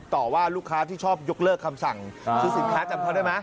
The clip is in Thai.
ต่อว่าลูกค้าที่ชอบยกเลิกคำสั่งซื้อสินค้าจำเขาได้ไหม